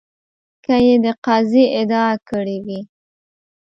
که یې د قاضي ادعا کړې وي.